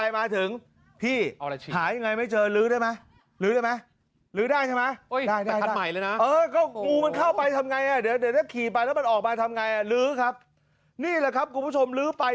อย่างใหม่ไหมอย่างใหม่เอียมเลย